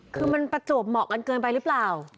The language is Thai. คือมันประจวบเหมาะกันเกินไปหรือเปล่า